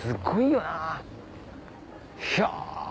ひゃ！